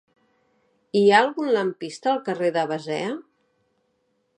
Hi ha algun lampista al carrer de Basea?